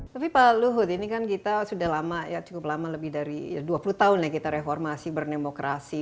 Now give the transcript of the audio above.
tapi pak luhut ini kan kita sudah lama ya cukup lama lebih dari dua puluh tahun ya kita reformasi berdemokrasi